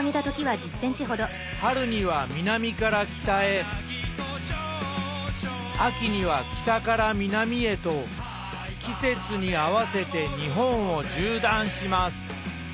春には南から北へ秋には北から南へと季節に合わせて日本を縦断します。